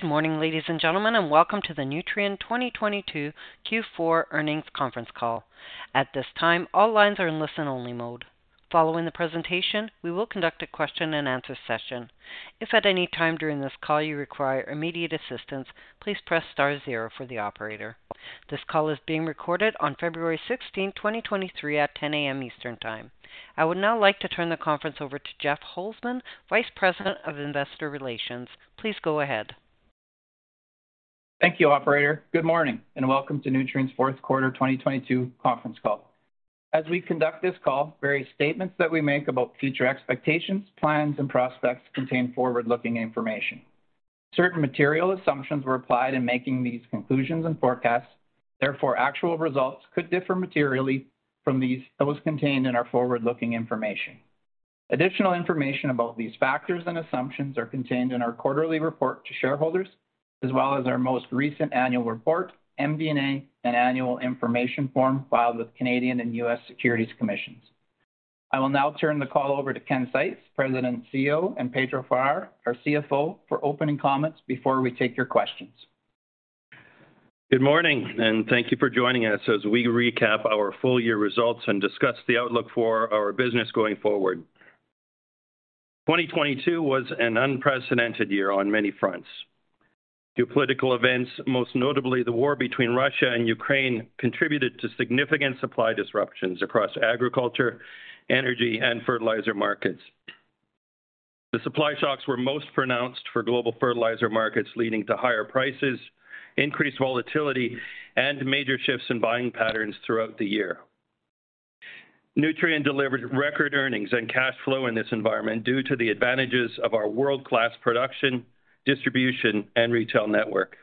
Good morning, ladies and gentlemen, welcome to the Nutrien 2022 Q4 earnings conference call. At this time, all lines are in listen-only mode. Following the presentation, we will conduct a Q&A session. If at any time during this call you require immediate assistance, please press star zero for the operator. This call is being recorded on February 16th, 2023 at 10:00 A.M. Eastern Time. I would now like to turn the conference over to Jeff Holshouser, Vice President of Investor Relations. Please go ahead. Thank you, operator. Good morning and welcome to Nutrien's fourth quarter 2022 conference call. As we conduct this call, various statements that we make about future expectations, plans, and prospects contain forward-looking information. Certain material assumptions were applied in making these conclusions and forecasts. Therefore, actual results could differ materially from those contained in our forward-looking information. Additional information about these factors and assumptions are contained in our quarterly report to shareholders, as well as our most recent annual report, MD&A, and annual information form filed with Canadian and U.S. Securities Commissions. I will now turn the call over to Ken Seitz, President and CEO, and Pedro Farah, our CFO, for opening comments before we take your questions. Good morning, thank you for joining us as we recap our full year results and discuss the outlook for our business going forward. 2022 was an unprecedented year on many fronts. New political events, most notably the war between Russia and Ukraine, contributed to significant supply disruptions across agriculture, energy, and fertilizer markets. The supply shocks were most pronounced for global fertilizer markets, leading to higher prices, increased volatility, and major shifts in buying patterns throughout the year. Nutrien delivered record earnings and cash flow in this environment due to the advantages of our world-class production, distribution, and retail network.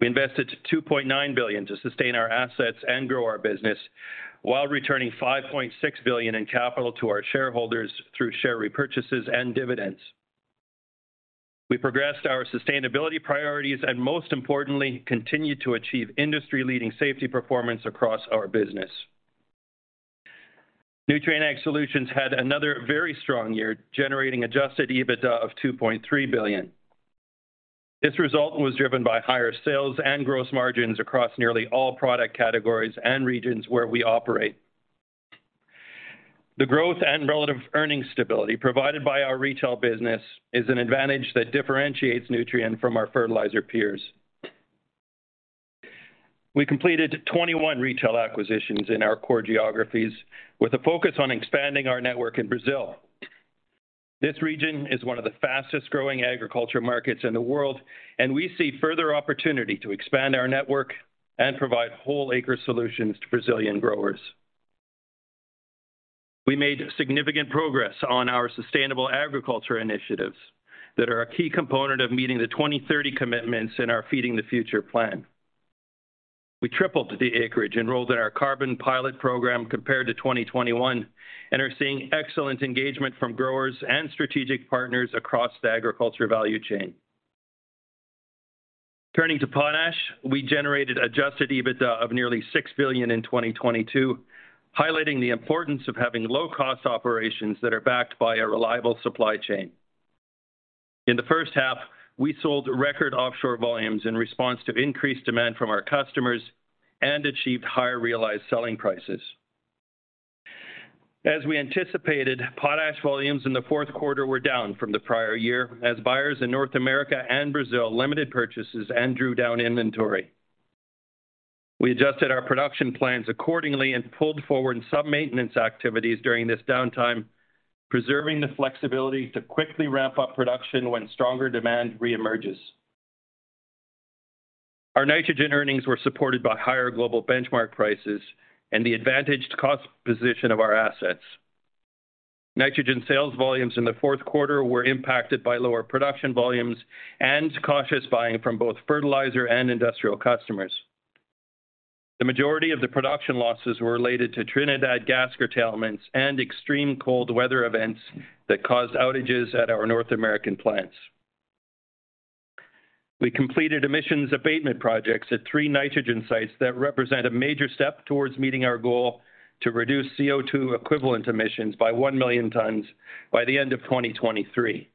We invested $2.9 billion to sustain our assets and grow our business while returning $5.6 billion in capital to our shareholders through share repurchases and dividends. We progressed our sustainability priorities and most importantly, continued to achieve industry-leading safety performance across our business. Nutrien Ag Solutions had another very strong year, generating Adjusted EBITDA of $2.3 billion. This result was driven by higher sales and gross margins across nearly all product categories and regions where we operate. The growth and relative earnings stability provided by our retail business is an advantage that differentiates Nutrien from our fertilizer peers. We completed 21 retail acquisitions in our core geographies with a focus on expanding our network in Brazil. This region is one of the fastest-growing agriculture markets in the world, and we see further opportunity to expand our network and provide whole-acre solutions to Brazilian growers. We made significant progress on our sustainable agriculture initiatives that are a key component of meeting the 2030 commitments in our Feeding the Future Plan. We tripled the acreage enrolled in our Carbon Program compared to 2021 and are seeing excellent engagement from growers and strategic partners across the agriculture value chain. Turning to potash, we generated Adjusted EBITDA of nearly $6 billion in 2022, highlighting the importance of having low-cost operations that are backed by a reliable supply chain. In the first half, we sold record offshore volumes in response to increased demand from our customers and achieved higher realized selling prices. As we anticipated, potash volumes in the fourth quarter were down from the prior year as buyers in North America and Brazil limited purchases and drew down inventory. We adjusted our production plans accordingly and pulled forward some maintenance activities during this downtime, preserving the flexibility to quickly ramp up production when stronger demand re-emerges. Our nitrogen earnings were supported by higher global benchmark prices and the advantaged cost position of our assets. Nitrogen sales volumes in the fourth quarter were impacted by lower production volumes and cautious buying from both fertilizer and industrial customers. The majority of the production losses were related to Trinidad gas curtailments and extreme cold weather events that caused outages at our North American plants. We completed emissions abatement projects at three nitrogen sites that represent a major step towards meeting our goal to reduce CO₂ equivalent emissions by 1 million tons by the end of 2023.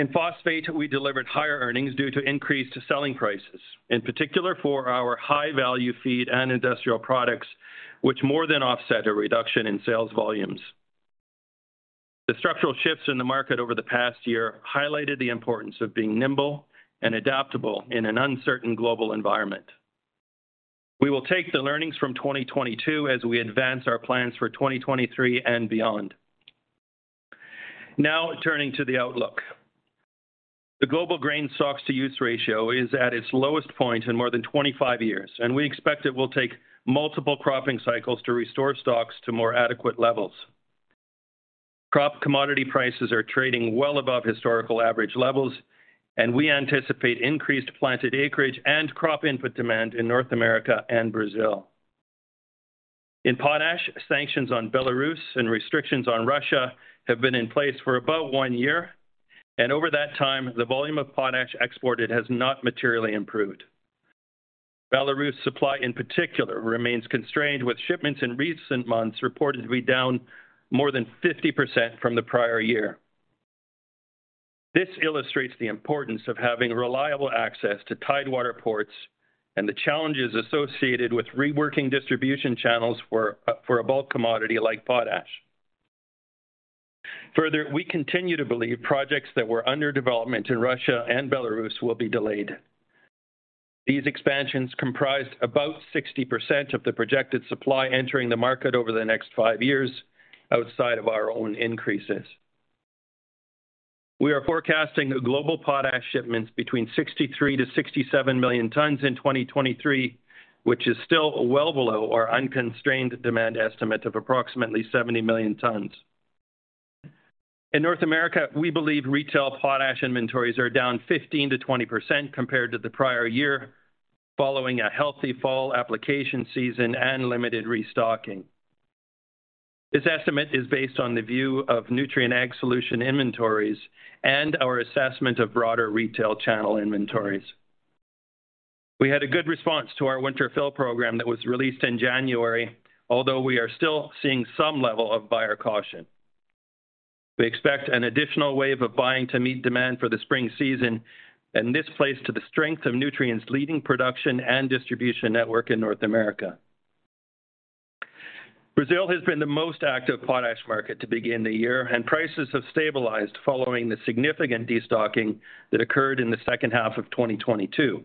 In phosphate, we delivered higher earnings due to increased selling prices, in particular for our high-value feed and industrial products, which more than offset a reduction in sales volumes. The structural shifts in the market over the past year highlighted the importance of being nimble and adaptable in an uncertain global environment. We will take the learnings from 2022 as we advance our plans for 2023 and beyond. Now, turning to the outlook. The global grain stocks-to-use ratio is at its lowest point in more than 25 years. We expect it will take multiple cropping cycles to restore stocks to more adequate levels. Crop commodity prices are trading well above historical average levels. We anticipate increased planted acreage and crop input demand in North America and Brazil. In potash, sanctions on Belarus and restrictions on Russia have been in place for about one year. Over that time, the volume of potash exported has not materially improved. Belarus supply in particular remains constrained with shipments in recent months reported to be down more than 50% from the prior year. This illustrates the importance of having reliable access to tidewater ports and the challenges associated with reworking distribution channels for a bulk commodity like potash. We continue to believe projects that were under development in Russia and Belarus will be delayed. These expansions comprised about 60% of the projected supply entering the market over the next five years outside of our own increases. We are forecasting global potash shipments between 63 million-67 million tons in 2023, which is still well below our unconstrained demand estimate of approximately 70 million tons. In North America, we believe retail potash inventories are down 15%-20% compared to the prior year following a healthy fall application season and limited restocking. This estimate is based on the view of Nutrien Ag Solutions inventories and our assessment of broader retail channel inventories. We had a good response to our winter fill program that was released in January, although we are still seeing some level of buyer caution. We expect an additional wave of buying to meet demand for the spring season. This plays to the strength of Nutrien's leading production and distribution network in North America. Brazil has been the most active potash market to begin the year. Prices have stabilized following the significant destocking that occurred in the second half of 2022.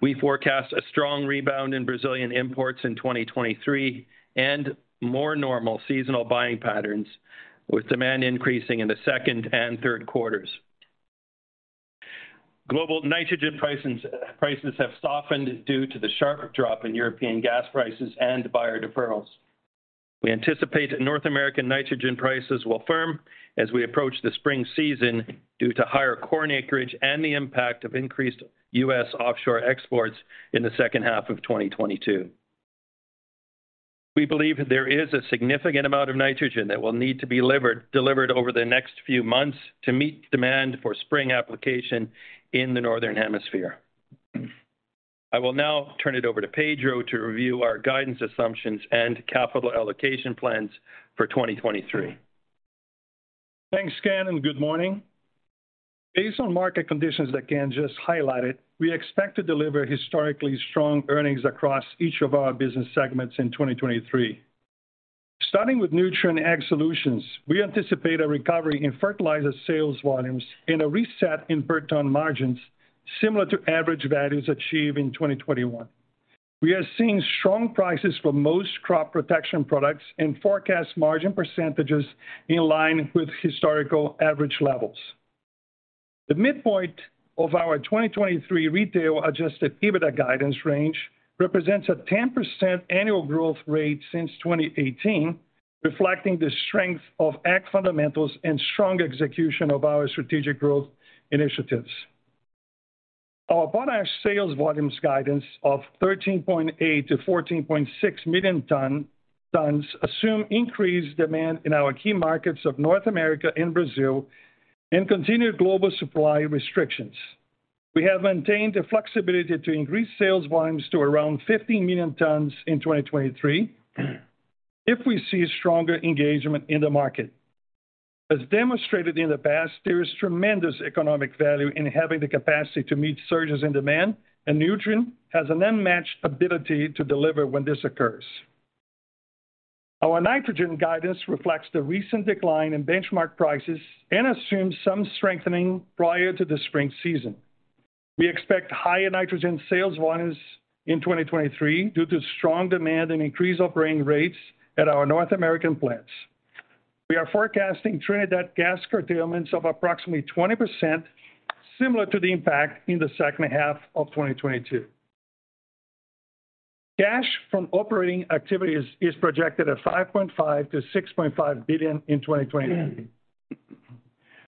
We forecast a strong rebound in Brazilian imports in 2023 and more normal seasonal buying patterns, with demand increasing in the second and third quarters. Global nitrogen prices have softened due to the sharp drop in European gas prices and buyer deferrals. We anticipate North American nitrogen prices will firm as we approach the spring season due to higher corn acreage and the impact of increased U.S. offshore exports in the second half of 2022. We believe there is a significant amount of nitrogen that will need to be delivered over the next few months to meet demand for spring application in the northern hemisphere. I will now turn it over to Pedro to review our guidance assumptions and capital allocation plans for 2023. Thanks, Ken. Good morning. Based on market conditions that Ken just highlighted, we expect to deliver historically strong earnings across each of our business segments in 2023. Starting with Nutrien Ag Solutions, we anticipate a recovery in fertilizer sales volumes and a reset in per ton margins similar to average values achieved in 2021. We are seeing strong prices for most crop protection products and forecast margin percent in line with historical average levels. The midpoint of our 2023 retail Adjusted EBITDA guidance range represents a 10% annual growth rate since 2018, reflecting the strength of Ag fundamentals and strong execution of our strategic growth initiatives. Our potash sales volumes guidance of 13.8 million to 14.6 million tons assume increased demand in our key markets of North America and Brazil and continued global supply restrictions. We have maintained the flexibility to increase sales volumes to around 15 million tons in 2023 if we see stronger engagement in the market. As demonstrated in the past, there is tremendous economic value in having the capacity to meet surges in demand. Nutrien has an unmatched ability to deliver when this occurs. Our nitrogen guidance reflects the recent decline in benchmark prices and assumes some strengthening prior to the spring season. We expect higher nitrogen sales volumes in 2023 due to strong demand and increased operating rates at our North American plants. We are forecasting Trinidad gas curtailments of approximately 20% similar to the impact in the second half of 2022. Cash from operating activities is projected at $5.5 billion-$6.5 billion in 2023.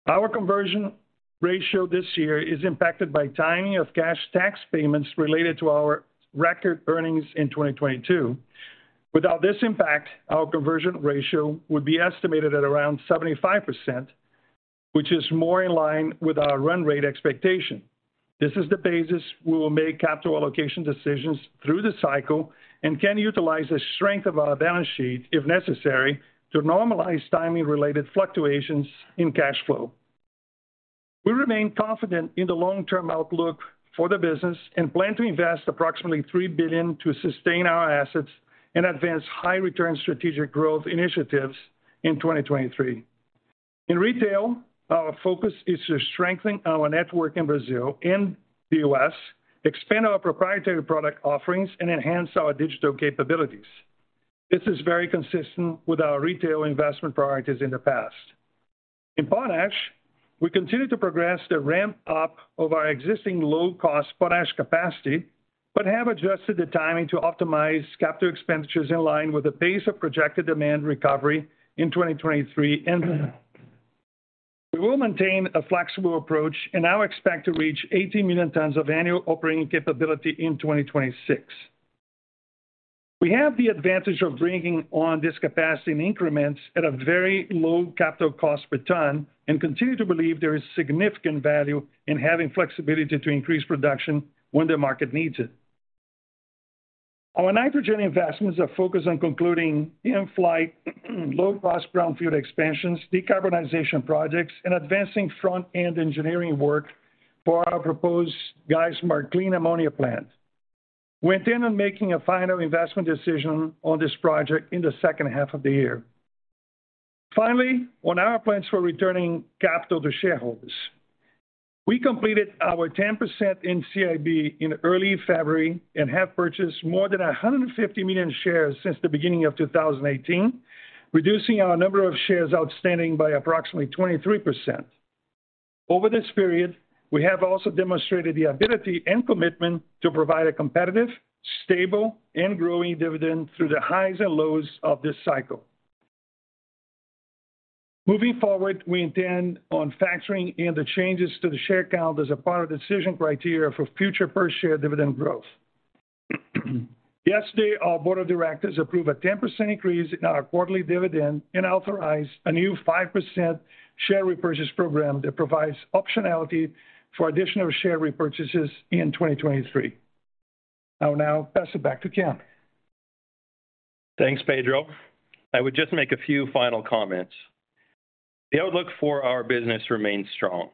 Our conversion ratio this year is impacted by timing of cash tax payments related to our record earnings in 2022. Without this impact, our conversion ratio would be estimated at around 75%, which is more in line with our run rate expectation. This is the basis we will make capital allocation decisions through the cycle and can utilize the strength of our balance sheet, if necessary, to normalize timing-related fluctuations in cash flow. We remain confident in the long-term outlook for the business and plan to invest approximately $3 billion to sustain our assets and advance high return strategic growth initiatives in 2023. In retail, our focus is to strengthen our network in Brazil and the U.S., expand our proprietary product offerings, and enhance our digital capabilities. This is very consistent with our retail investment priorities in the past. In potash, we continue to progress the ramp up of our existing low-cost potash capacity, but have adjusted the timing to optimize capital expenditures in line with the pace of projected demand recovery in 2023 and. We will maintain a flexible approach and now expect to reach 18 million tons of annual operating capability in 2026. We have the advantage of bringing on this capacity in increments at a very low capital cost per ton and continue to believe there is significant value in having flexibility to increase production when the market needs it. Our nitrogen investments are focused on concluding in-flight low-cost brownfield expansions, decarbonization projects, and advancing front-end engineering work for our proposed Geismar clean ammonia plant. We intend on making a final investment decision on this project in the second half of the year. Finally, on our plans for returning capital to shareholders. We completed our 10% NCIB in early February and have purchased more than 150 million shares since the beginning of 2018, reducing our number of shares outstanding by approximately 23%. Over this period, we have also demonstrated the ability and commitment to provide a competitive, stable, and growing dividend through the highs and lows of this cycle. Moving forward, we intend on factoring in the changes to the share count as a part of the decision criteria for future per-share dividend growth. Yesterday, our board of directors approved a 10% increase in our quarterly dividend and authorized a new 5% share repurchase program that provides optionality for additional share repurchases in 2023. I will now pass it back to Ken. Thanks, Pedro. I would just make a few final comments. The outlook for our business remains strong.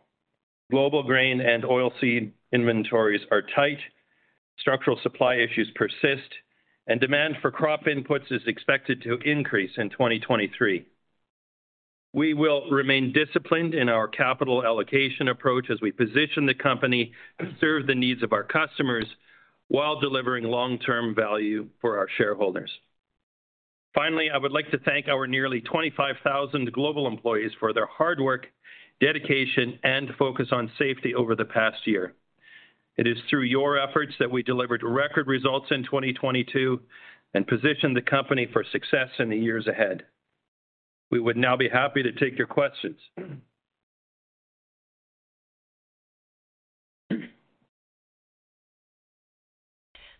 Global grain and oilseed inventories are tight, structural supply issues persist, demand for crop inputs is expected to increase in 2023. We will remain disciplined in our capital allocation approach as we position the company to serve the needs of our customers while delivering long-term value for our shareholders. Finally, I would like to thank our nearly 25,000 global employees for their hard work, dedication, and focus on safety over the past year. It is through your efforts that we delivered record results in 2022 and positioned the company for success in the years ahead. We would now be happy to take your questions.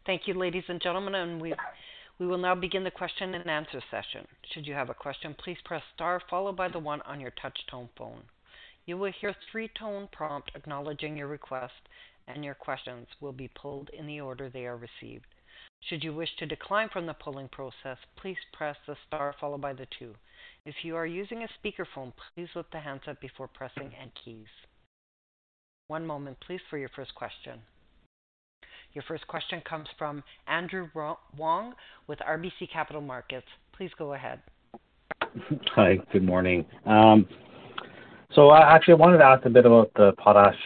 Thank you, ladies and gentlemen. We will now begin the Q&A. Should you have a question, please press star followed by the one on your touch tone phone. You will hear a three-tone prompt acknowledging your request, and your questions will be pulled in the order they are received. Should you wish to decline from the polling process, please press the star followed by the two. If you are using a speakerphone, please lift the handset before pressing any keys. One moment please for your first question. Your first question comes from Andrew Wong with RBC Capital Markets. Please go ahead. Hi. Good morning. Actually I wanted to ask a bit about the potash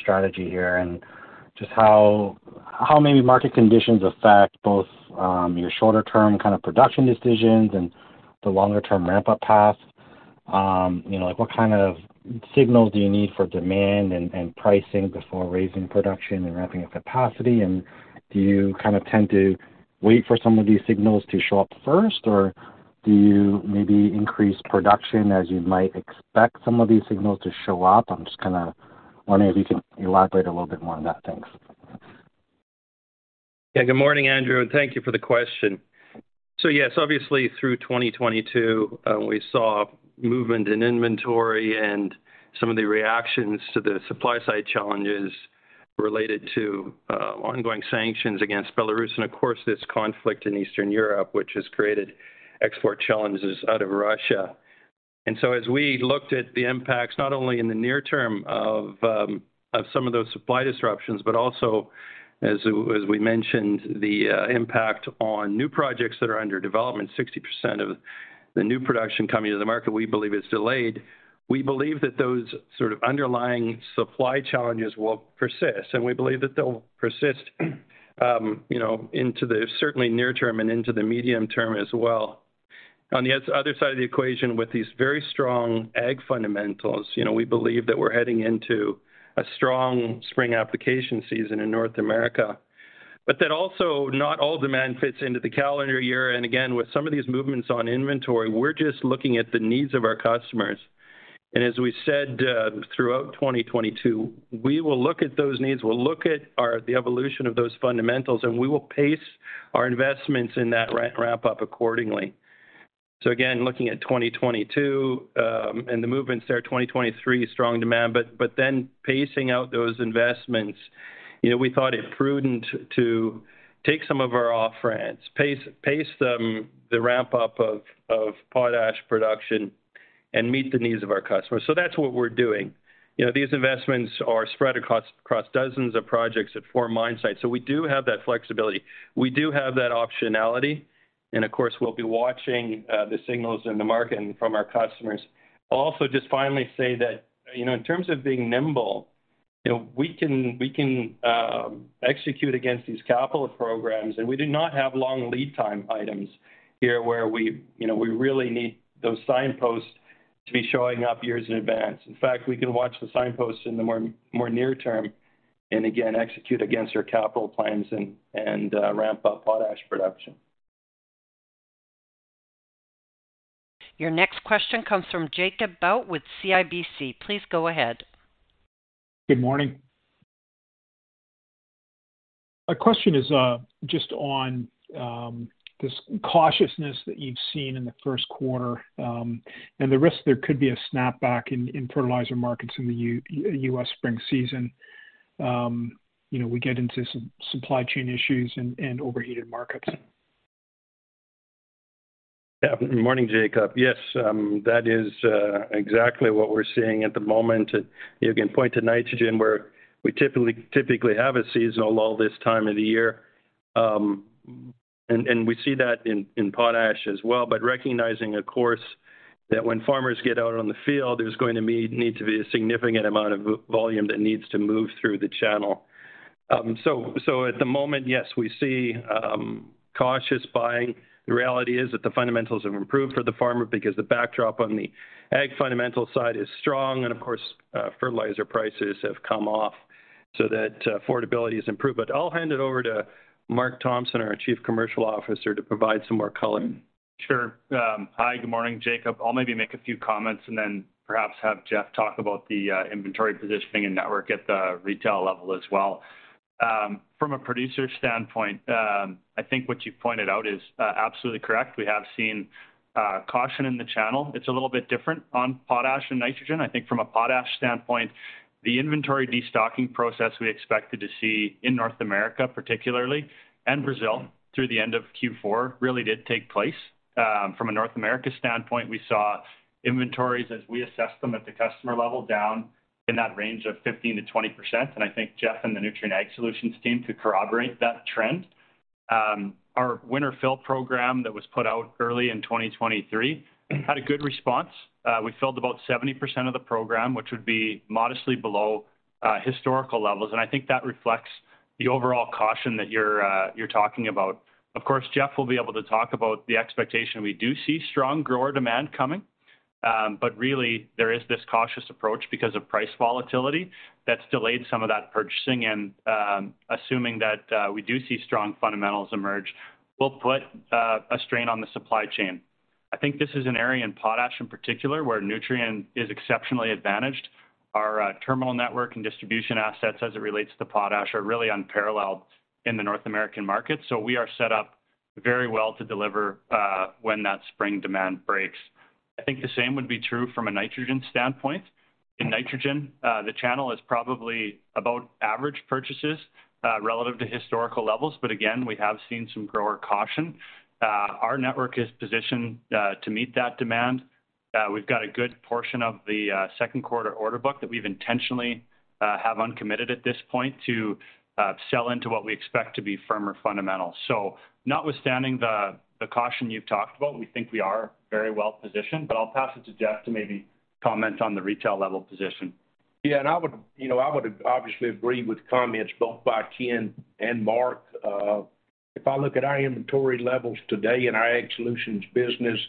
strategy here and just how maybe market conditions affect both your shorter-term kind of production decisions and the longer-term ramp-up paths. You know, like, what kind of signals do you need for demand and pricing before raising production and ramping up capacity? Do you kind of tend to wait for some of these signals to show up first, or do you maybe increase production as you might expect some of these signals to show up? I'm just kinda wondering if you can elaborate a little bit more on that. Thanks. Yeah. Good morning, Andrew, and thank you for the question. Yes, obviously through 2022, we saw movement in inventory and some of the reactions to the supply side challenges related to ongoing sanctions against Belarus and of course, this conflict in Eastern Europe, which has created export challenges out of Russia. As we looked at the impacts, not only in the near term of some of those supply disruptions, but also as we mentioned, the impact on new projects that are under development, 60% of the new production coming to the market, we believe is delayed. We believe that those sort of underlying supply challenges will persist, and we believe that they'll persist, you know, into the certainly near term and into the medium term as well. On the other side of the equation with these very strong ag fundamentals, you know, we believe that we're heading into a strong spring application season in North America. Also, not all demand fits into the calendar year. Again, with some of these movements on inventory, we're just looking at the needs of our customers. As we said, throughout 2022, we will look at those needs. We'll look at the evolution of those fundamentals, and we will pace our investments in that ramp up accordingly. Again, looking at 2022, and the movements there, 2023, strong demand, but pacing out those investments. You know, we thought it prudent to take some of our off-ramps, pace them the ramp up of potash production and meet the needs of our customers. That's what we're doing. You know, these investments are spread across dozens of projects at four mine sites. We do have that flexibility. We do have that optionality, and of course, we'll be watching the signals in the market and from our customers. Just finally say that, you know, in terms of being nimble, you know, we can execute against these capital programs, and we do not have long lead time items here where we, you know, we really need those signposts to be showing up years in advance. In fact, we can watch the signposts in the more near term and again, execute against our capital plans and ramp up potash production. Your next question comes from Jacob Bout with CIBC. Please go ahead. Good morning. My question is just on this cautiousness that you've seen in the first quarter, and the risk there could be a snapback in fertilizer markets in the U.S. spring season. You know, we get into some supply chain issues and overheated markets. Yeah. Good morning, Jacob. Yes, that is exactly what we're seeing at the moment. You can point to nitrogen where we typically have a seasonal lull this time of the year. We see that in potash as well. Recognizing, of course, that when farmers get out on the field, there's going to need to be a significant amount of volume that needs to move through the channel. At the moment, yes, we see cautious buying. The reality is that the fundamentals have improved for the farmer because the backdrop on the ag fundamental side is strong and of course, fertilizer prices have come off so that affordability is improved. I'll hand it over to Mark Thompson, our Chief Commercial Officer, to provide some more color. Sure. hi, good morning, Jacob. I'll maybe make a few comments and then perhaps have Jeff talk about the inventory positioning and network at the retail level as well. From a producer standpoint, I think what you pointed out is absolutely correct. We have seen caution in the channel. It's a little bit different on potash and nitrogen. I think from a potash standpoint, the inventory destocking process we expected to see in North America, particularly, and Brazil through the end of Q4, really did take place. From a North America standpoint, we saw inventories as we assessed them at the customer level, down in that range of 15%-20%. I think Jeff and the Nutrien Ag Solutions team could corroborate that trend. Our Winter Fill Program that was put out early in 2023 had a good response. We filled about 70% of the program, which would be modestly below historical levels. I think that reflects the overall caution that you're talking about. Of course, Jeff will be able to talk about the expectation. We do see strong grower demand coming. Really there is this cautious approach because of price volatility that's delayed some of that purchasing. Assuming that we do see strong fundamentals emerge, will put a strain on the supply chain. I think this is an area in potash, in particular, where Nutrien is exceptionally advantaged. Our terminal network and distribution assets as it relates to potash are really unparalleled in the North American market. We are set up very well to deliver when that spring demand breaks. I think the same would be true from a nitrogen standpoint. In nitrogen, the channel is probably about average purchases relative to historical levels. Again, we have seen some grower caution. Our network is positioned to meet that demand. We've got a good portion of the second quarter order book that we've intentionally have uncommitted at this point to sell into what we expect to be firmer fundamentals. Notwithstanding the caution you've talked about, we think we are very well-positioned. I'll pass it to Jeff to maybe comment on the retail level position. Yeah. I would, you know, I would obviously agree with comments both by Ken Seitz and Mark Thompson. If I look at our inventory levels today in our Nutrien Ag Solutions business,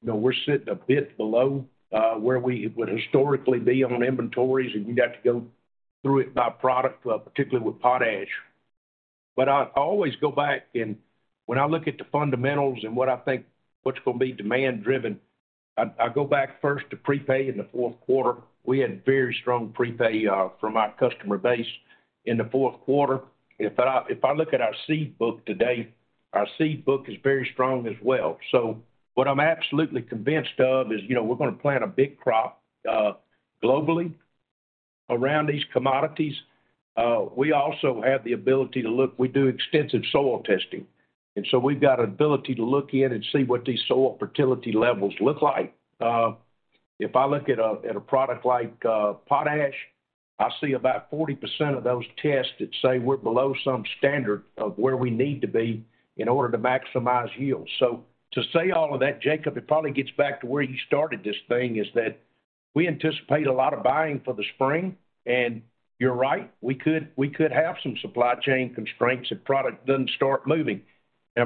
you know, we're sitting a bit below where we would historically be on inventories, and you'd have to go through it by product, particularly with potash. I always go back and when I look at the fundamentals and what I think what's gonna be demand-driven, I go back first to prepay in the fourth quarter. We had very strong prepay from our customer base in the fourth quarter. If I, if I look at our seed book today, our seed book is very strong as well. What I'm absolutely convinced of is, you know, we're gonna plant a big crop globally around these commodities. We also have the ability to look. We do extensive soil testing, so we've got ability to look in and see what these soil fertility levels look like. If I look at a product like potash, I see about 40% of those tests that say we're below some standard of where we need to be in order to maximize yields. To say all of that, Jacob, it probably gets back to where you started this thing, is that we anticipate a lot of buying for the spring. You're right, we could have some supply chain constraints if product doesn't start moving.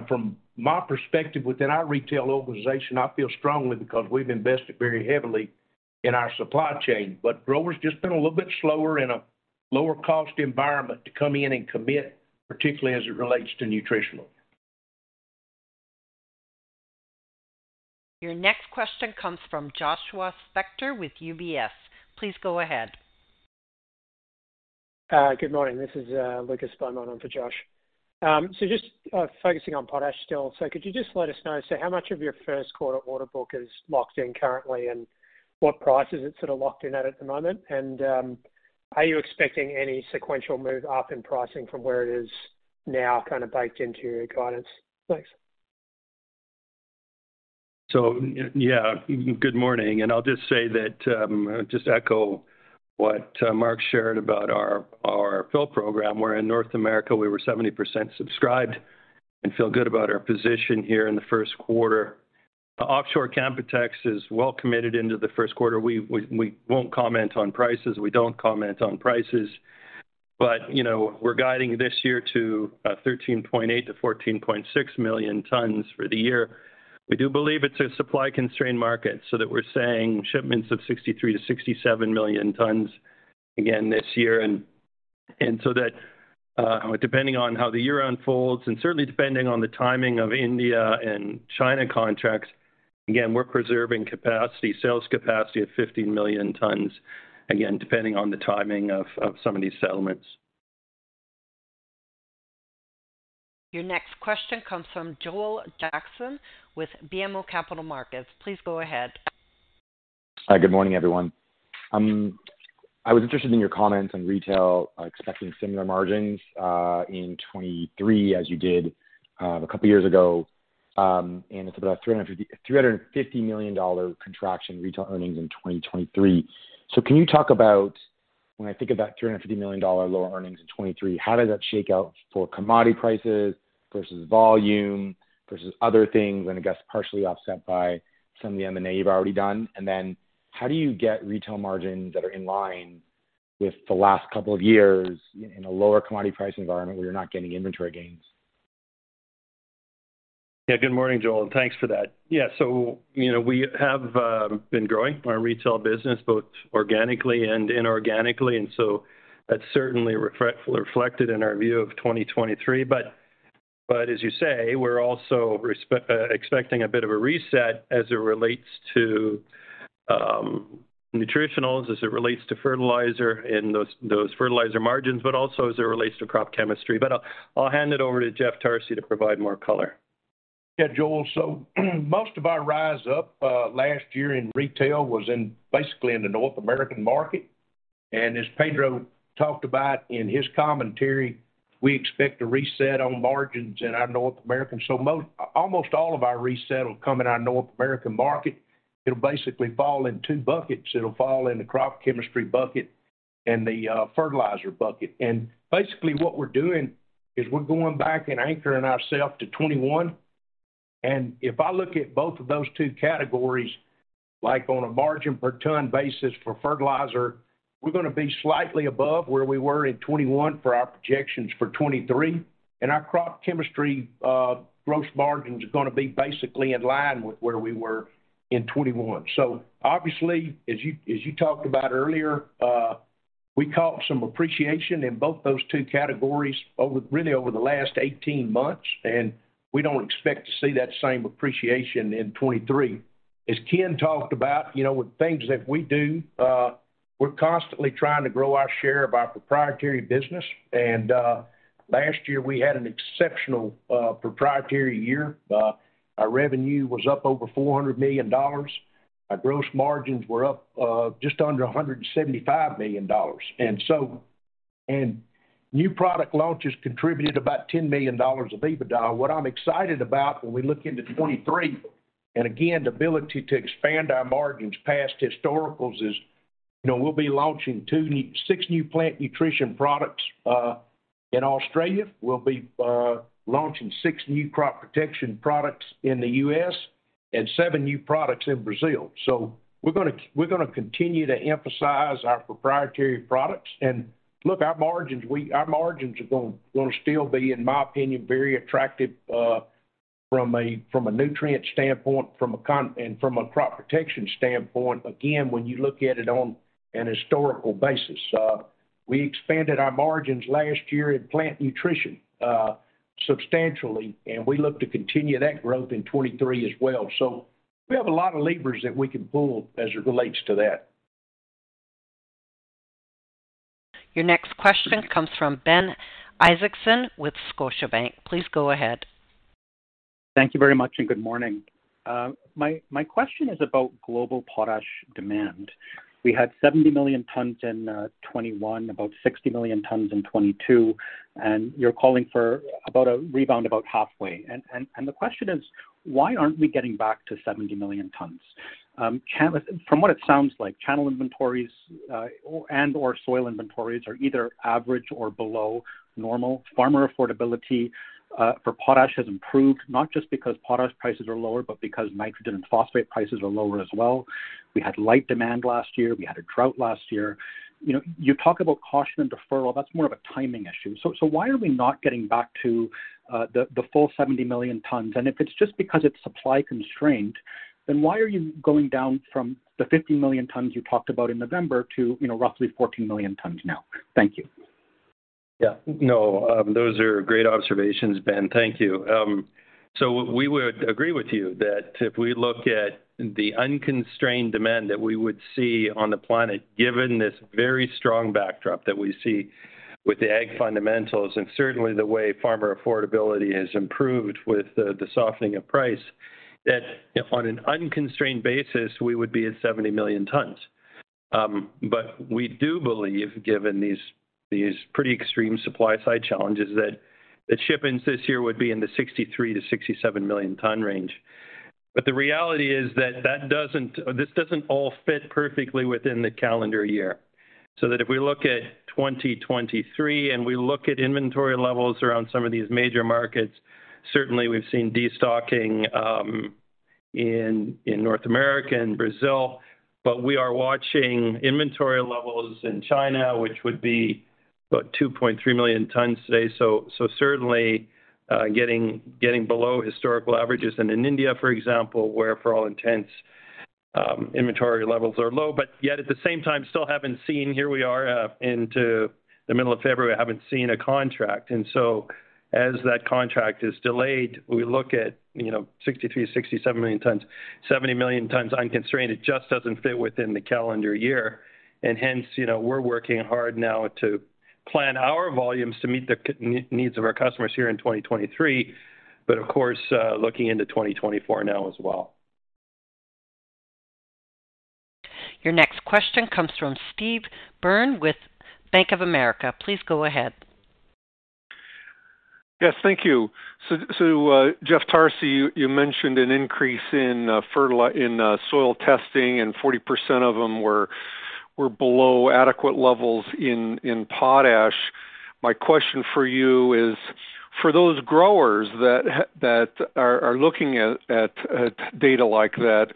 From my perspective within our retail organization, I feel strongly because we've invested very heavily in our supply chain. Growers just been a little bit slower in a lower cost environment to come in and commit, particularly as it relates to nutritional. Your next question comes from Joshua Spector with UBS. Please go ahead. Good morning. This is Lucas Beaumont on for Josh. Just focusing on potash still. Could you just let us know how much of your first quarter order book is locked in currently, and what price is it sort of locked in at at the moment? Are you expecting any sequential move up in pricing from where it is now kind of baked into your guidance? Thanks. Yeah, good morning. I'll just say that, just echo what Mark shared about our fill program, where in North America we were 70% subscribed and feel good about our position here in the first quarter. Offshore Canpotex is well committed into the first quarter. We won't comment on prices. We don't comment on prices. You know, we're guiding this year to 13.8 million-14.6 million tons for the year. We do believe it's a supply-constrained market, we're saying shipments of 63 million-67 million tons again this year depending on how the year unfolds and certainly depending on the timing of India and China contracts, again, we're preserving capacity, sales capacity of 50 million tons, again, depending on the timing of some of these settlements. Your next question comes from Joel Jackson with BMO Capital Markets. Please go ahead. Hi. Good morning, everyone. I was interested in your comments on retail expecting similar margins in 2023 as you did a couple years ago, and it's about $350 million contraction retail earnings in 2023. Can you talk about when I think of that $350 million lower earnings in 2023, how does that shake out for commodity prices versus volume versus other things, and I guess partially offset by some of the M&A you've already done? How do you get retail margins that are in line with the last couple of years in a lower commodity pricing environment where you're not getting inventory gains? Yeah. Good morning, Joel, and thanks for that. Yeah. You know, we have been growing our retail business both organically and inorganically, and so that's certainly reflected in our view of 2023. As you say, we're also expecting a bit of a reset as it relates to nutritionals, as it relates to fertilizer and those fertilizer margins, but also as it relates to crop chemistry. I'll hand it over to Jeff Tarsi to provide more color. Yeah, Joel Jackson. Most of our rise up last year in retail was in basically in the North American market. As Pedro Farah talked about in his commentary, we expect a reset on margins in our North American. Almost all of our reset will come in our North American market. It'll basically fall in two buckets. It'll fall in the crop chemistry bucket and the fertilizer bucket. Basically, what we're doing is we're going back and anchoring ourself to 2021. If I look at both of those two categories, like on a margin per ton basis for fertilizer, we're gonna be slightly above where we were in 2021 for our projections for 2023. Our crop chemistry gross margin is gonna be basically in line with where we were in 2021. Obviously, as you talked about earlier, we caught some appreciation in both those two categories over, really over the last 18 months. We don't expect to see that same appreciation in 2023. As Ken talked about, you know, with things that we do, we're constantly trying to grow our share of our proprietary business. Last year, we had an exceptional proprietary year. Our revenue was up over $400 million. Our gross margins were up just under $175 million. New product launches contributed about $10 million of Adjusted EBITDA. What I'm excited about when we look into 2023, and again, the ability to expand our margins past historicals is, you know, we'll be launching six new plant nutrition products in Australia. We'll be launching six new crop protection products in the U.S. and seven new products in Brazil. We're gonna continue to emphasize our proprietary products. Look, our margins are gonna still be, in my opinion, very attractive, from a Nutrien standpoint, and from a crop protection standpoint, again, when you look at it on an historical basis. We expanded our margins last year in plant nutrition, substantially, and we look to continue that growth in 2023 as well. We have a lot of levers that we can pull as it relates to that. Your next question comes from Ben Isaacson with Scotiabank. Please go ahead. Thank you very much. Good morning. My question is about global potash demand. We had 70 million tons in 2021, about 60 million tons in 2022, and you're calling for about a rebound about halfway. The question is, why aren't we getting back to 70 million tons? From what it sounds like, channel inventories, or, and/or soil inventories are either average or below normal. Farmer affordability for potash has improved, not just because potash prices are lower, but because nitrogen and phosphate prices are lower as well. We had light demand last year. We had a drought last year. You know, you talk about caution and deferral, that's more of a timing issue. Why are we not getting back to the full 70 million tons? If it's just because it's supply constrained, then why are you going down from the 50 million tons you talked about in November to, you know, roughly 14 million tons now? Thank you. Yeah. No. Those are great observations, Ben. Thank you. We would agree with you that if we look at the unconstrained demand that we would see on the planet, given this very strong backdrop that we see with the ag fundamentals and certainly the way farmer affordability has improved with the softening of price, that on an unconstrained basis, we would be at 70 million tons. We do believe, given these pretty extreme supply side challenges, that the shipments this year would be in the 63 million-67 million ton range. The reality is that this doesn't all fit perfectly within the calendar year, if we look at 2023 and we look at inventory levels around some of these major markets, certainly we've seen destocking in North America and Brazil. We are watching inventory levels in China, which would be about 2.3 million tons today. Certainly getting below historical averages. In India, for example, where for all intents Inventory levels are low, but yet at the same time still haven't seen, here we are, into the middle of February, haven't seen a contract. As that contract is delayed, we look at, you know, 63 million-67 million tons, 70 million tons unconstrained. It just doesn't fit within the calendar year. You know, we're working hard now to plan our volumes to meet the needs of our customers here in 2023, but of course, looking into 2024 now as well. Your next question comes from Steve Byrne with Bank of America. Please go ahead. Yes, thank you. So Jeff Tarsi, you mentioned an increase in soil testing, and 40% of them were below adequate levels in potash. My question for you is, for those growers that are looking at data like that,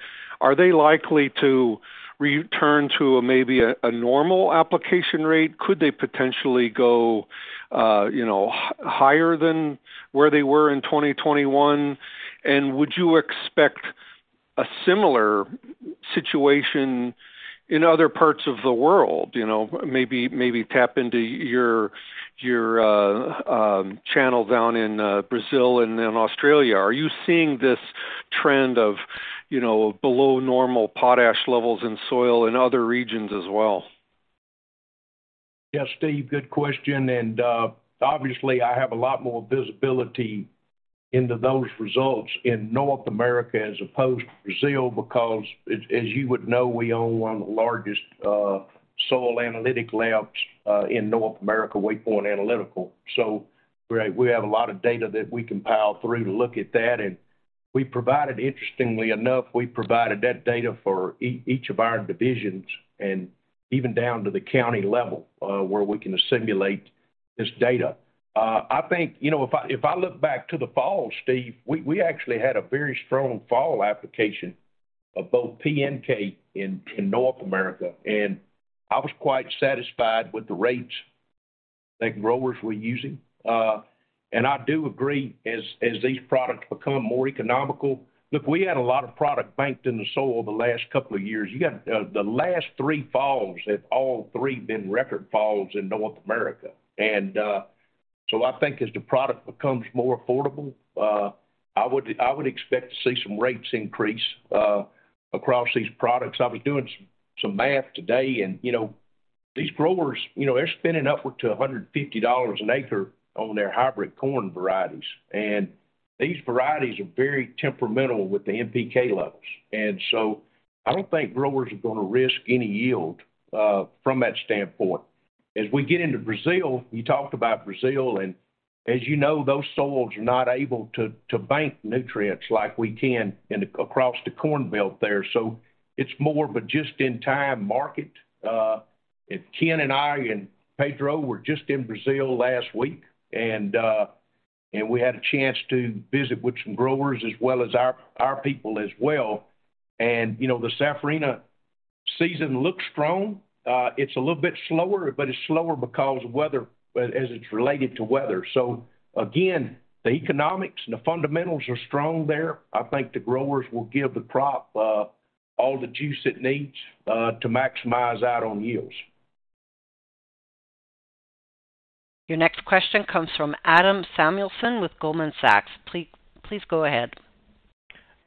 are they likely to return to maybe a normal application rate? Could they potentially go, you know, higher than where they were in 2021? Would you expect a similar situation in other parts of the world? You know, maybe tap into your channel down in Brazil and in Australia. Are you seeing this trend of, you know, below normal potash levels in soil in other regions as well? Yes, Steve, good question. Obviously, I have a lot more visibility into those results in North America as opposed to Brazil, because as you would know, we own one of the largest soil analytic labs in North America, Waypoint Analytical. We have a lot of data that we can pile through to look at that. We provided, interestingly enough, we provided that data for each of our divisions and even down to the county level, where we can assimilate this data. I think, you know, if I look back to the fall, Steve, we actually had a very strong fall application of both P and K in North America, and I was quite satisfied with the rates that growers were using. I do agree, as these products become more economical. Look, we had a lot of product banked in the soil the last couple of years. You got the last three falls have all three been record falls in North America. So I think as the product becomes more affordable, I would expect to see some rates increase across these products. I was doing some math today and, you know, these growers, you know, they're spending upward to $150 an acre on their hybrid corn varieties, and these varieties are very temperamental with the NPK levels. I don't think growers are gonna risk any yield from that standpoint. As we get into Brazil, you talked about Brazil, and as you know, those soils are not able to bank nutrients like we can across the Corn Belt there. It's more of a just-in-time market. Ken and I and Pedro were just in Brazil last week, and we had a chance to visit with some growers as well as our people as well. You know, the Safrinha season looks strong. It's a little bit slower, but it's slower because weather, as it's related to weather. Again, the economics and the fundamentals are strong there. I think the growers will give the crop all the juice it needs to maximize out on yields. Your next question comes from Adam Samuelson with Goldman Sachs. Please go ahead.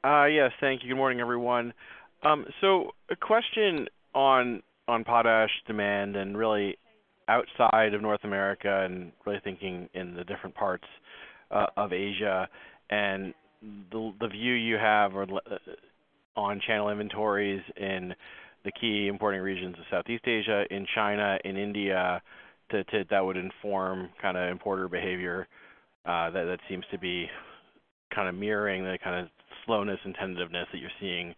Yes. Thank you. Good morning, everyone. A question on potash demand and really outside of North America and really thinking in the different parts of Asia and the view you have on channel inventories in the key importing regions of Southeast Asia, in China, in India, to that would inform kinda importer behavior that seems to be kinda mirroring the kinda slowness and tentativeness that you're seeing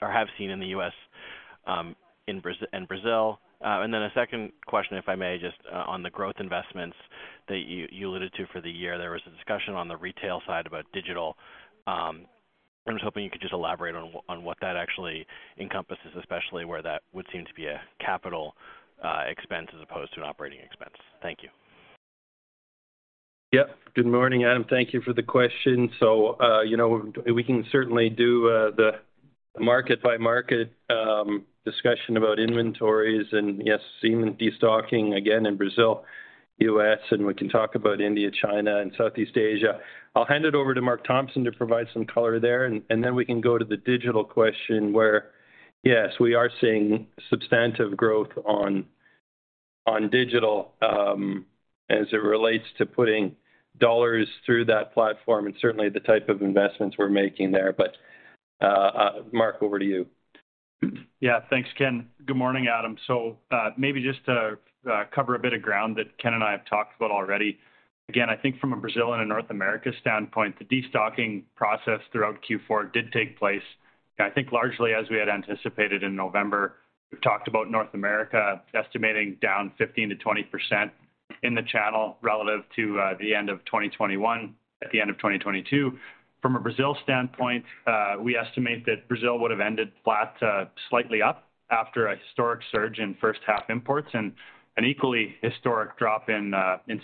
or have seen in the U.S., in Brazil. A second question, if I may, just on the growth investments that you alluded to for the year. There was a discussion on the retail side about digital. I'm just hoping you could just elaborate on what that actually encompasses, especially where that would seem to be a capital expense as opposed to an OpEx. Thank you. Yep. Good morning, Adam. Thank you for the question. You know, we can certainly do the market-by-market discussion about inventories and yes, seeing them destocking again in Brazil, U.S., and then we can talk about India, China and Southeast Asia. I'll hand it over to Mark Thompson to provide some color there, and then we can go to the digital question where, yes, we are seeing substantive growth on digital as it relates to putting dollars through that platform and certainly the type of investments we're making there. Mark, over to you. Yeah. Thanks, Ken. Good morning, Adam. Maybe just to cover a bit of ground that Ken and I have talked about already. Again, I think from a Brazil and a North America standpoint, the destocking process throughout Q4 did take place, I think largely as we had anticipated in November. We've talked about North America estimating down 15%-20%. In the channel relative to the end of 2021 at the end of 2022. From a Brazil standpoint, we estimate that Brazil would have ended flat to slightly up after a historic surge in first half imports and an equally historic drop in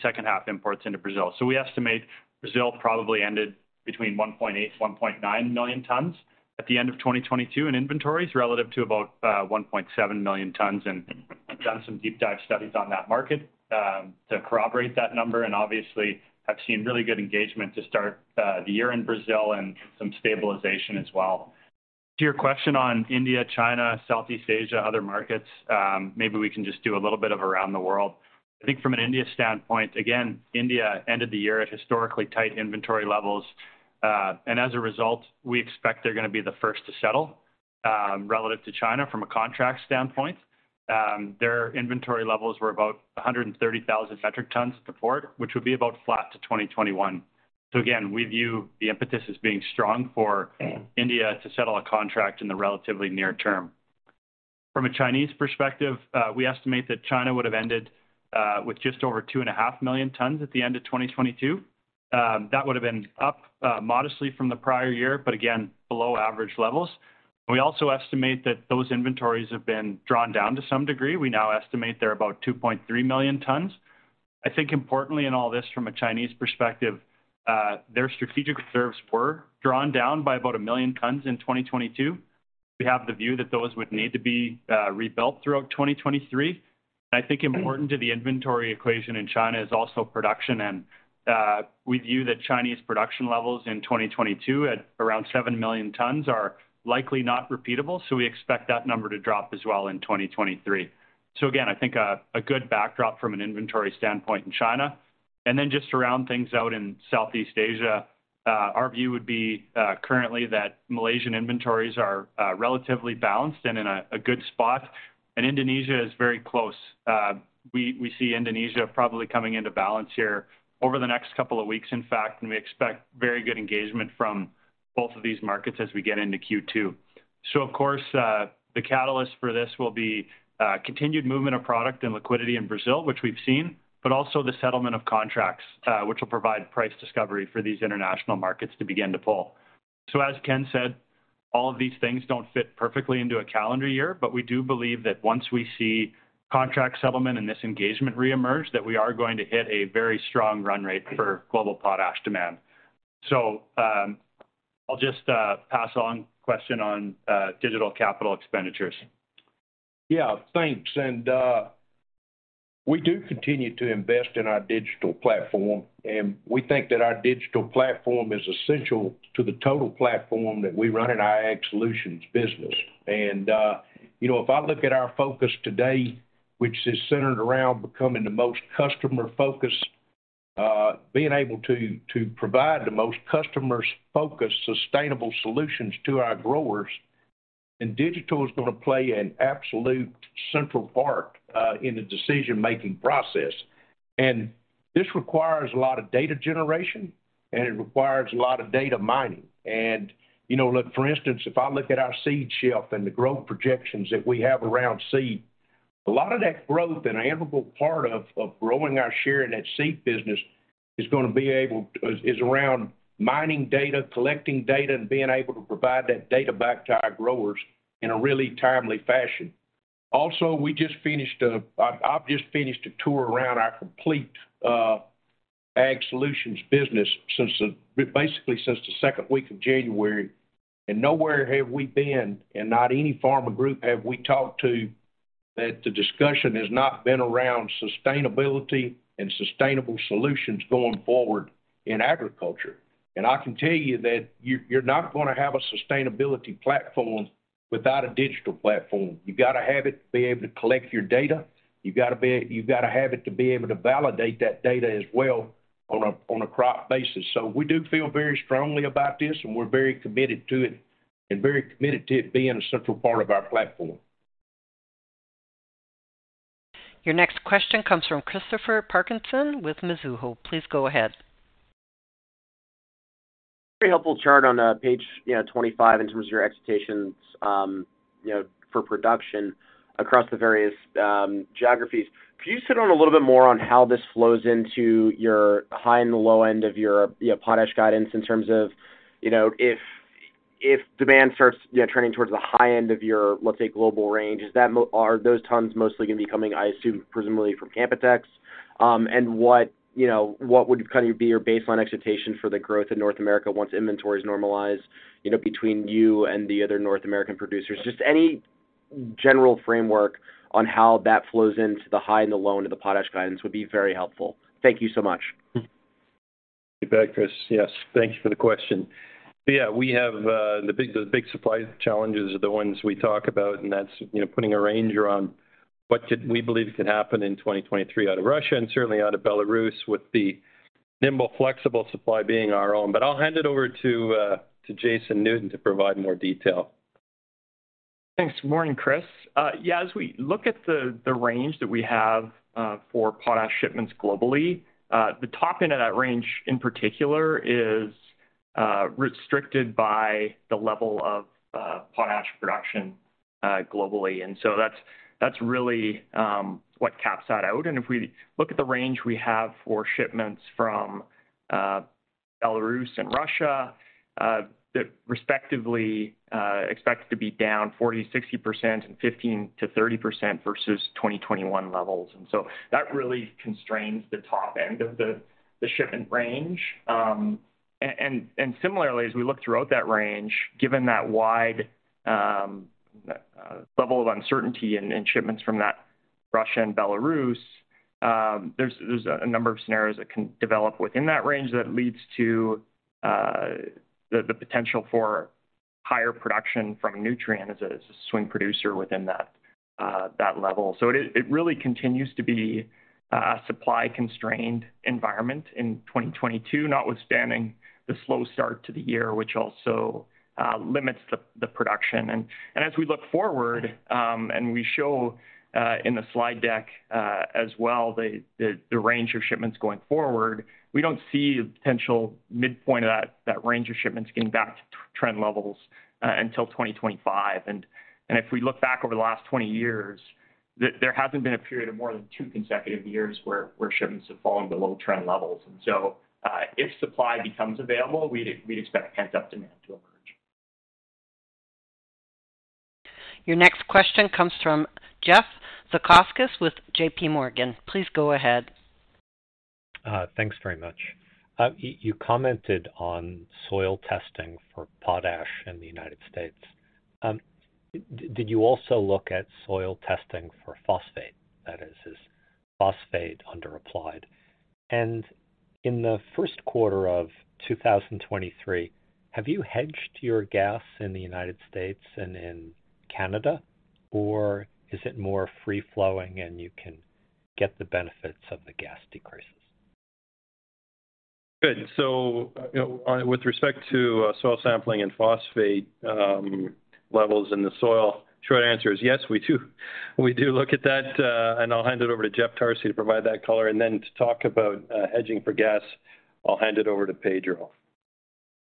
second half imports into Brazil. We estimate Brazil probably ended between 1.8 million-1.9 million tons at the end of 2022 in inventories relative to about 1.7 million tons. We've done some deep dive studies on that market to corroborate that number. Obviously have seen really good engagement to start the year in Brazil and some stabilization as well. To your question on India, China, Southeast Asia, other markets, maybe we can just do a little bit of around the world. I think from an India standpoint, again, India ended the year at historically tight inventory levels. As a result, we expect they're gonna be the first to settle relative to China from a contract standpoint. Their inventory levels were about 130,000 metric tons to port, which would be about flat to 2021. Again, we view the impetus as being strong for India to settle a contract in the relatively near term. From a Chinese perspective, we estimate that China would have ended with just over 2.5 million tons at the end of 2022. That would have been up modestly from the prior year but again below average levels. We also estimate that those inventories have been drawn down to some degree. We now estimate they're about 2.3 million tons. I think importantly in all this from a Chinese perspective, their strategic reserves were drawn down by about 1 million tons in 2022. We have the view that those would need to be rebuilt throughout 2023. I think important to the inventory equation in China is also production. We view that Chinese production levels in 2022 at around 7 million tons are likely not repeatable, so we expect that number to drop as well in 2023. Again, I think, a good backdrop from an inventory standpoint in China. Then just to round things out in Southeast Asia, our view would be, currently that Malaysian inventories are relatively balanced and in a good spot. Indonesia is very close. We see Indonesia probably coming into balance here over the next couple of weeks, in fact, and we expect very good engagement from both of these markets as we get into Q2. Of course, the catalyst for this will be continued movement of product and liquidity in Brazil, which we've seen, but also the settlement of contracts, which will provide price discovery for these international markets to begin to pull. As Ken said, all of these things don't fit perfectly into a calendar year, but we do believe that once we see contract settlement and this engagement reemerge, that we are going to hit a very strong run rate for global potash demand. I'll just pass on question on digital capital expenditures. Yeah, thanks. We do continue to invest in our digital platform, and we think that our digital platform is essential to the total platform that we run in our Ag Solutions business. You know, if I look at our focus today, which is centered around becoming the most customer-focused, being able to provide the most customer-focused sustainable solutions to our growers, and digital is gonna play an absolute central part in the decision-making process. This requires a lot of data generation, and it requires a lot of data mining. You know, look, for instance, if I look at our seed shelf and the growth projections that we have around seed, a lot of that growth, an enviable part of growing our share in that seed business is gonna be around mining data, collecting data, and being able to provide that data back to our growers in a really timely fashion. I've just finished a tour around our complete Ag Solutions business basically since the second week of January, nowhere have we been, and not any farmer group have we talked to, that the discussion has not been around sustainability and sustainable solutions going forward in agriculture. I can tell you that you're not gonna have a sustainability platform without a digital platform. You gotta have it to be able to collect your data. You gotta have it to be able to validate that data as well on a crop basis. We do feel very strongly about this, and we're very committed to it, and very committed to it being a central part of our platform. Your next question comes from Christopher Parkinson with Mizuho. Please go ahead. Very helpful chart on page, you know, 25 in terms of your expectations, you know, for production across the various geographies. Could you sit on a little bit more on how this flows into your high and the low end of your, you know, potash guidance in terms of, you know, if demand starts, you know, trending towards the high end of your, let's say, global range, Are those tons mostly gonna be coming, I assume, presumably from Canpotex? What, you know, what would kind of be your baseline expectation for the growth in North America once inventories normalize, you know, between you and the other North American producers? Just any general framework on how that flows into the high and the low end of the potash guidance would be very helpful. Thank you so much. You bet, Chris. Yes. Thank you for the question. we have, the big, the big supply challenges are the ones we talk about, and that's, you know, putting a range around we believe could happen in 2023 out of Russia and certainly out of Belarus with the nimble, flexible supply being our own. I'll hand it over to Jason Newton to provide more detail. Thanks. Morning, Chris. Yeah, as we look at the range that we have for potash shipments globally, the top end of that range in particular is restricted by the level of potash production globally. That's really what caps that out. If we look at the range we have for shipments from Belarus and Russia, they respectively expect to be down 40%-60% and 15%-30% versus 2021 levels. That really constrains the top end of the shipment range. Similarly, as we look throughout that range, given that wide level of uncertainty in shipments from that Russia and Belarus, there's a number of scenarios that can develop within that range that leads to the potential for higher production from Nutrien as a swing producer within that level. It really continues to be a supply-constrained environment in 2022, notwithstanding the slow start to the year, which also limits the production. As we look forward, and we show in the slide deck as well, the range of shipments going forward, we don't see a potential midpoint of that range of shipments getting back to trend levels until 2025. If we look back over the last 20 years, there hasn't been a period of more than two consecutive years where shipments have fallen below trend levels. If supply becomes available, we'd expect pent-up demand to emerge. Your next question comes from Jeffrey Zekauskas with J.P. Morgan. Please go ahead. Thanks very much. You commented on soil testing for potash in the United States. Did you also look at soil testing for phosphate? That is phosphate under applied? In the first quarter of 2023, have you hedged your gas in the United States and in Canada, or is it more free-flowing, and you can get the benefits of the gas decreases? Good. With respect to soil sampling and phosphate levels in the soil, short answer is yes. We do look at that, and I'll hand it over to Jeff Tarsi to provide that color. To talk about hedging for gas, I'll hand it over to Pedro.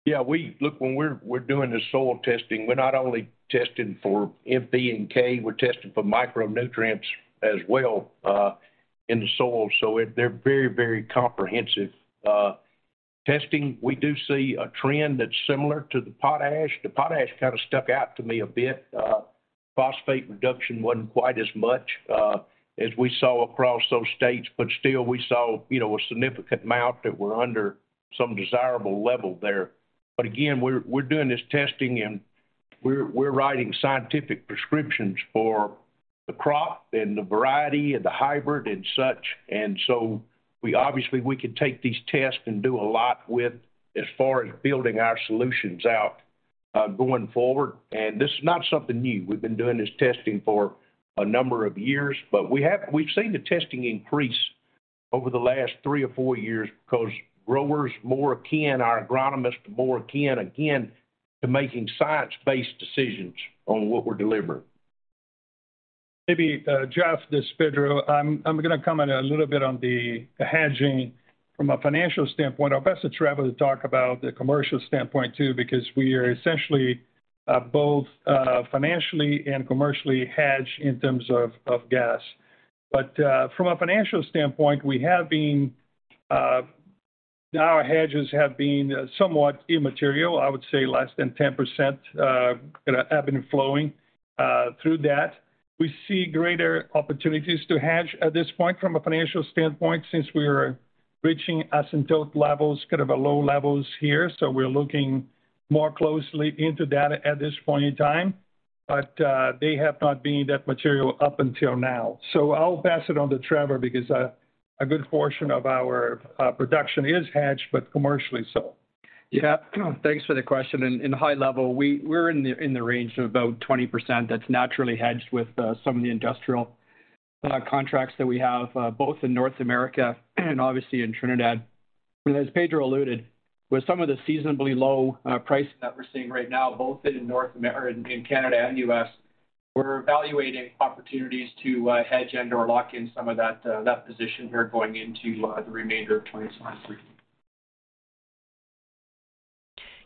Yeah, Look, when we're doing the soil testing, we're not only testing for NPK, we're testing for micronutrients as well, in the soil. So they're very comprehensive testing. We do see a trend that's similar to the potash. The potash kind of stuck out to me a bit. Phosphate reduction wasn't quite as much, as we saw across those states, but still we saw, you know, a significant amount that were under some desirable level there. But again, we're doing this testing, and we're writing scientific prescriptions for the crop and the variety and the hybrid and such. We obviously, we could take these tests and do a lot with as far as building our solutions out, going forward. This is not something new. We've been doing this testing for a number of years. We've seen the testing increase over the last three or four years 'cause growers more akin, our agronomists more akin, again, to making science-based decisions on what we're delivering. Maybe, Jeff, this is Pedro. I'm gonna comment a little bit on the hedging from a financial standpoint. I'll pass it to Trevor to talk about the commercial standpoint too, because we are essentially both financially and commercially hedged in terms of gas. From a financial standpoint, we have been, our hedges have been somewhat immaterial. I would say less than 10% have been flowing through that. We see greater opportunities to hedge at this point from a financial standpoint, since we are reaching asymptote levels, kind of a low levels here. We're looking more closely into data at this point in time. They have not been that material up until now. I'll pass it on to Trevor because a good portion of our production is hedged, but commercially so. Yeah. Thanks for the question. In high level, we're in the range of about 20% that's naturally hedged with some of the industrial contracts that we have, both in North America and obviously in Trinidad. As Pedro alluded, with some of the seasonably low pricing that we're seeing right now, both in North America and US, we're evaluating opportunities to hedge and/or lock in some of that position here going into the remainder of 2023.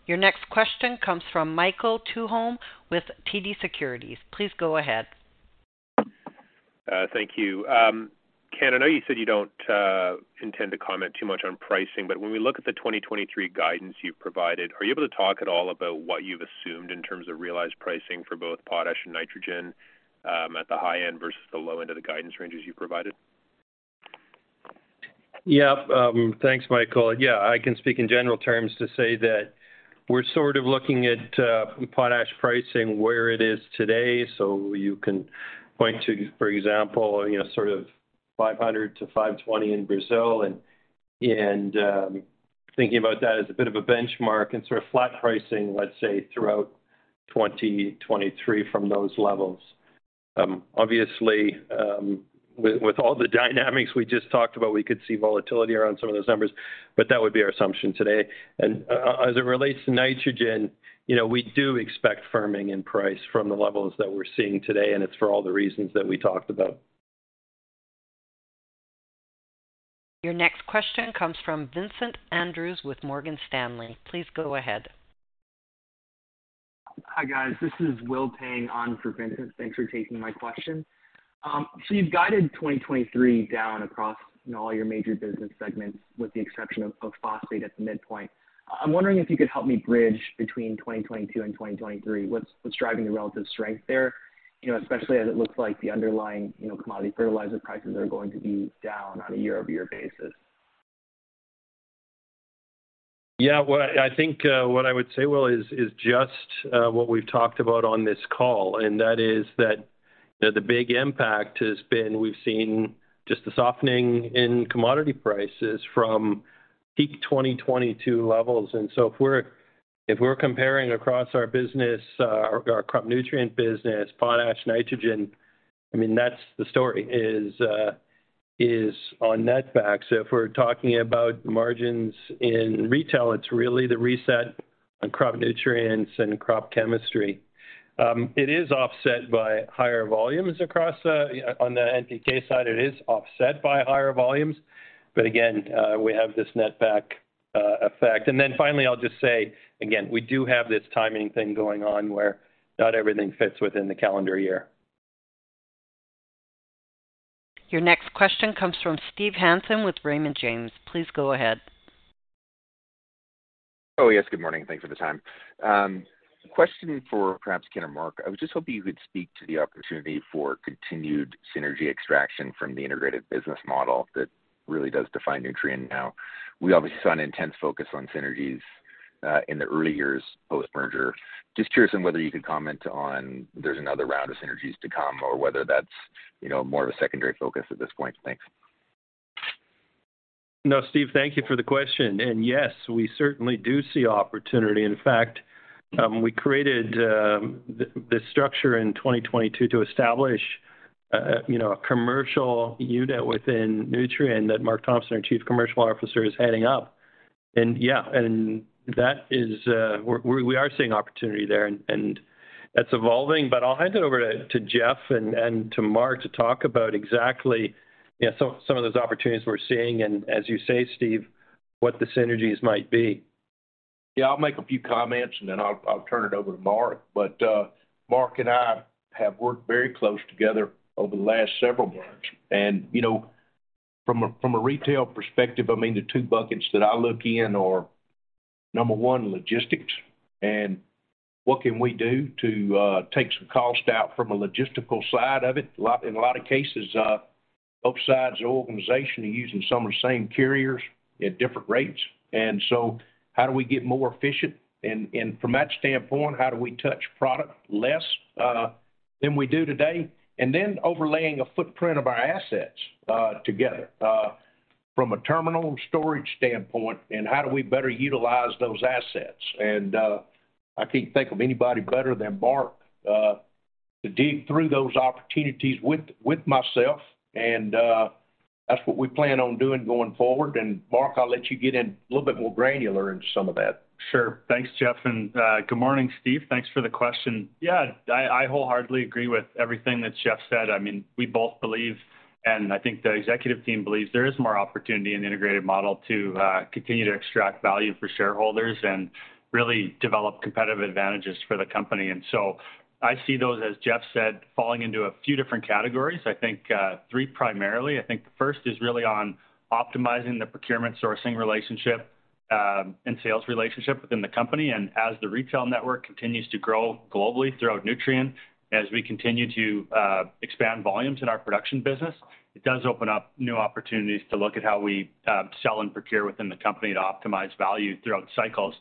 Your next question comes from Michael Tupholme with TD Securities. Please go ahead. Thank you. Ken, I know you said you don't intend to comment too much on pricing, when we look at the 2023 guidance you've provided, are you able to talk at all about what you've assumed in terms of realized pricing for both potash and nitrogen, at the high end versus the low end of the guidance ranges you provided? Thanks, Michael. I can speak in general terms to say that we're sort of looking at potash pricing where it is today. You can point to, for example, you know, sort of $500-$520 in Brazil and thinking about that as a bit of a benchmark and sort of flat pricing, let's say, throughout 2023 from those levels. Obviously, with all the dynamics we just talked about, we could see volatility around some of those numbers, but that would be our assumption today. As it relates to nitrogen, you know, we do expect firming in price from the levels that we're seeing today, and it's for all the reasons that we talked about. Your next question comes from Vincent Andrews with Morgan Stanley. Please go ahead. Hi, guys. This is Will Tang on for Vincent. Thanks for taking my question. You've guided 2023 down across all your major business segments with the exception of phosphate at the midpoint. I'm wondering if you could help me bridge between 2022 - 2023. What's driving the relative strength there? You know, especially as it looks like the underlying, you know, commodity fertilizer prices are going to be down on a YoY basis. Yeah. Well, I think, what I would say, Will, is just what we've talked about on this call, and that is that, you know, the big impact has been we've seen just the softening in commodity prices from peak 2022 levels. If we're comparing across our business, our crop nutrient business, potash, nitrogen, I mean, that's the story is on net back. If we're talking about margins in retail, it's really the reset on crop nutrients and crop chemistry. It is offset by higher volumes across on the NPK side, it is offset by higher volumes. Again, we have this net back effect. Finally, I'll just say, again, we do have this timing thing going on where not everything fits within the calendar year. Your next question comes from Steve Hansen with Raymond James. Please go ahead. Oh, yes, good morning. Thanks for the time. Question for perhaps Ken or Mark. I was just hoping you could speak to the opportunity for continued synergy extraction from the integrated business model that really does define Nutrien now. We obviously saw an intense focus on synergies, in the early years post-merger. Just curious on whether you could comment on there's another round of synergies to come or whether that's, you know, more of a secondary focus at this point. Thanks. Steve, thank you for the question. Yes, we certainly do see opportunity. In fact, we created the structure in 2022 to establish, you know, a commercial unit within Nutrien that Mark Thompson, our Chief Commercial Officer, is heading up. Yeah, that is, we are seeing opportunity there, and that's evolving. I'll hand it over to Jeff and to Mark to talk about exactly some of those opportunities we're seeing, and as you say, Steve, what the synergies might be. I'll make a few comments, and then I'll turn it over to Mark. Mark and I have worked very close together over the last several months. You know, from a retail perspective, I mean, the two buckets that I look in are, number one, logistics and what can we do to take some cost out from a logistical side of it. In a lot of cases, both sides of the organization are using some of the same carriers at different rates. How do we get more efficient? From that standpoint, how do we touch product less than we do today? Overlaying a footprint of our assets together from a terminal storage standpoint, and how do we better utilize those assets? I can't think of anybody better than Mark to dig through those opportunities with myself. That's what we plan on doing going forward. Mark, I'll let you get in a little bit more granular into some of that. Sure. Thanks, Jeff. Good morning, Steve. Thanks for the question. I wholeheartedly agree with everything that Jeff said. I mean, we both believe, and I think the executive team believes there is more opportunity in the integrated model to continue to extract value for shareholders and really develop competitive advantages for the company. I see those, as Jeff said, falling into a few different categories. I think 3 primarily. I think the first is really on optimizing the procurement sourcing relationship, and sales relationship within the company. As the retail network continues to grow globally throughout Nutrien, as we continue to expand volumes in our production business, it does open up new opportunities to look at how we sell and procure within the company to optimize value throughout the cycles.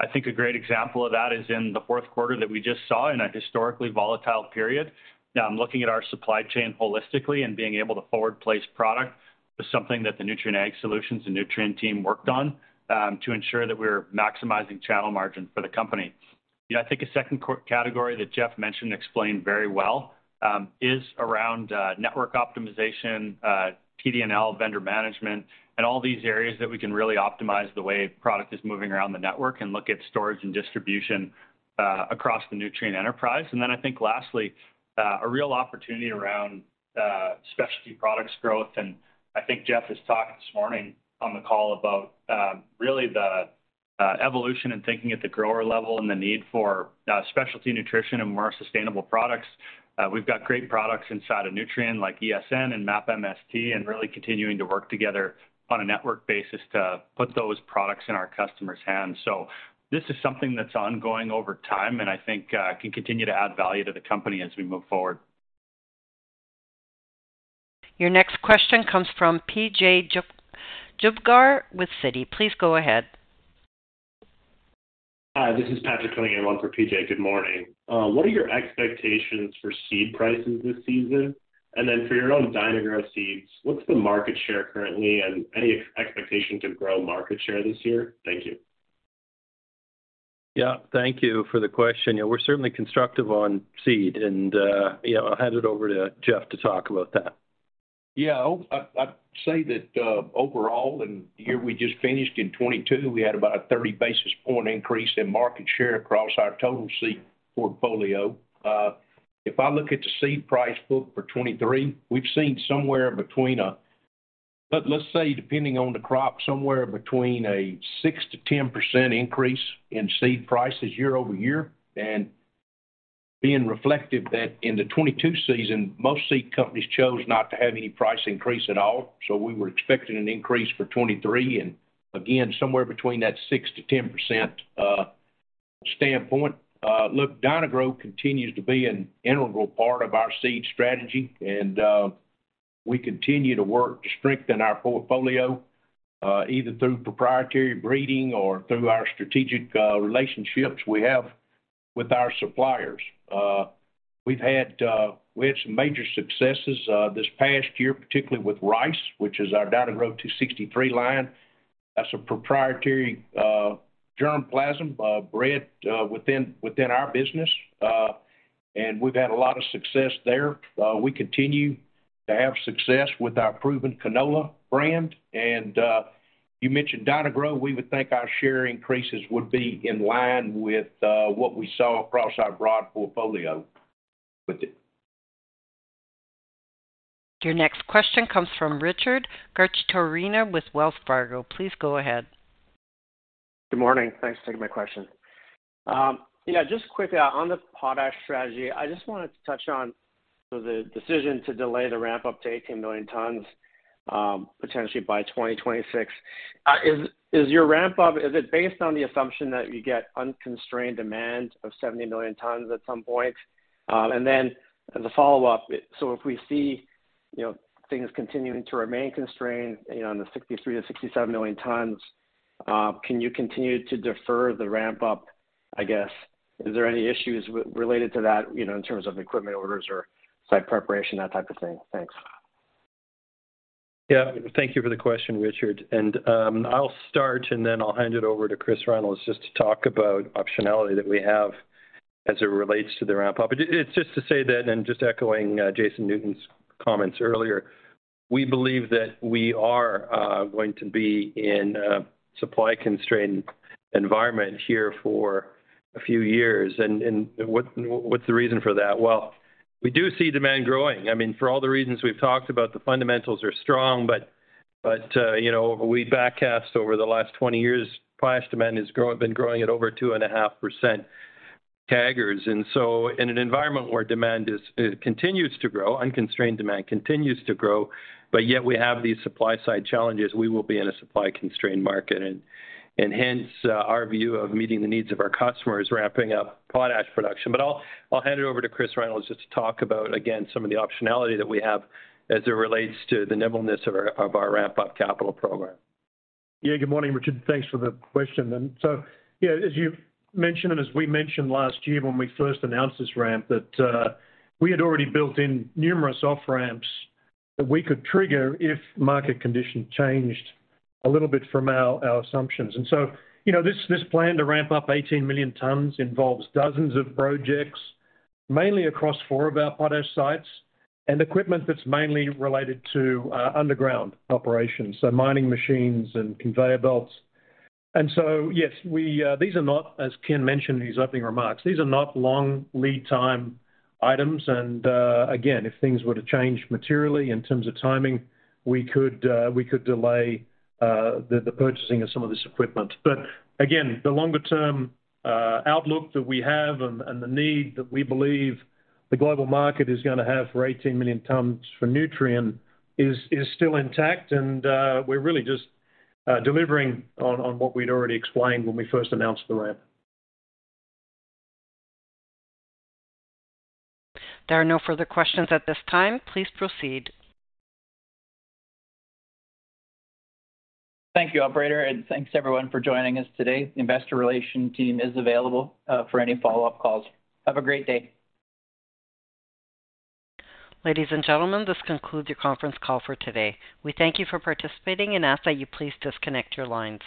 I think a great example of that is in the fourth quarter that we just saw in a historically volatile period. Now I'm looking at our supply chain holistically and being able to forward place product was something that the Nutrien Ag Solutions and Nutrien team worked on to ensure that we're maximizing channel margin for the company. You know, I think a second category that Jeff mentioned and explained very well is around network optimization, TD&L vendor management, and all these areas that we can really optimize the way product is moving around the network and look at storage and distribution across the Nutrien enterprise. Then I think lastly, a real opportunity around specialty products growth. I think Jeff has talked this morning on the call about really the evolution in thinking at the grower level and the need for specialty nutrition and more sustainable products. We've got great products inside of Nutrien like ESN and MAP-MST, and really continuing to work together on a network basis to put those products in our customers' hands. This is something that's ongoing over time, and I think can continue to add value to the company as we move forward. Your next question comes from P.J. Juvekar with Citi. Please go ahead. Hi, this is Patrick coming in one for PJ. Good morning. What are your expectations for seed prices this season? For your own Dyna-Gro seeds, what's the market share currently and any expectation to grow market share this year? Thank you. Yeah. Thank you for the question. Yeah, we're certainly constructive on seed and, you know, I'll hand it over to Jeff to talk about that. Yeah. I'd say that overall and year we just finished in 2022, we had about a 30 basis point increase in market share across our total seed portfolio. If I look at the seed price book for 2023, we've seen somewhere between, let's say depending on the crop, somewhere between a 6%-10% increase in seed prices YoY. Being reflective that in the 2022 season, most seed companies chose not to have any price increase at all, so we were expecting an increase for 2023 and again, somewhere between that 6%-10% standpoint. Look, Dyna-Gro continues to be an integral part of our seed strategy, and we continue to work to strengthen our portfolio, either through proprietary breeding or through our strategic relationships we have with our suppliers. We had some major successes this past year, particularly with rice, which is our Dyna-Gro DG263L. That's a proprietary germplasm bred within our business, and we've had a lot of success there. We continue to have success with our Proven Seed canola brand and you mentioned Dyna-Gro, we would think our share increases would be in line with what we saw across our broad portfolio with it. Your next question comes from Richard Garchitorena with Wells Fargo. Please go ahead. Good morning. Thanks for taking my question. Yeah, just quickly on the potash strategy, I just wanted to touch on the decision to delay the ramp up to 18 million tons, potentially by 2026. Is your ramp up, is it based on the assumption that you get unconstrained demand of 70 million tons at some point? As a follow-up, if we see, you know, things continuing to remain constrained, you know, in the 63 million-67 million tons, can you continue to defer the ramp up, I guess? Is there any issues related to that, you know, in terms of equipment orders or site preparation, that type of thing? Thanks. Yeah. Thank you for the question, Richard. I'll start and then I'll hand it over to Chris Reynolds just to talk about optionality that we have as it relates to the ramp up. It's just to say that, and just echoing Jason Newton's comments earlier, we believe that we are going to be in a supply constrained environment here for a few years. What's the reason for that? Well, we do see demand growing. I mean, for all the reasons we've talked about, the fundamentals are strong. You know, we back cast over the last 20 years, potash demand is been growing at over 2.5% CAGR. In an environment where demand is continues to grow, unconstrained demand continues to grow, but yet we have these supply side challenges, we will be in a supply constrained market. Hence, our view of meeting the needs of our customers ramping up potash production. I'll hand it over to Chris Reynolds just to talk about, again, some of the optionality that we have as it relates to the nimbleness of our ramp up capital program. Yeah. Good morning, Richard. Thanks for the question. Yeah, as you've mentioned, and as we mentioned last year when we first announced this ramp, that we had already built in numerous off ramps that we could trigger if market condition changed a little bit from our assumptions. You know, this plan to ramp up 18 million tons involves dozens of projects, mainly across four of our potash sites and equipment that's mainly related to underground operations, so mining machines and conveyor belts. Yes, we these are not, as Ken mentioned in his opening remarks, these are not long lead time items. Again, if things were to change materially in terms of timing, we could delay the purchasing of some of this equipment. Again, the longer term outlook that we have and the need that we believe the global market is gonna have for 18 million tons for Nutrien is still intact, and we're really just delivering on what we'd already explained when we first announced the ramp. There are no further questions at this time. Please proceed. Thank you, operator, and thanks everyone for joining us today. The investor relation team is available for any follow-up calls. Have a great day. Ladies and gentlemen, this concludes your conference call for today. We thank you for participating and ask that you please disconnect your lines.